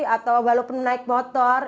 atau walaupun naik motor